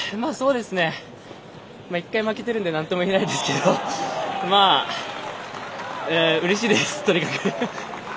一回、負けてるんでなんとも言えないですけどうれしいです、とにかく。